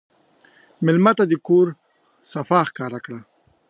مېلمه ته د کور صفا ښکاره کړه.